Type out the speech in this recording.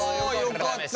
よかった！